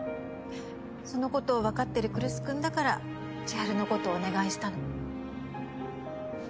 そのことをわかってる来栖君だから千晴のことお願いしたの。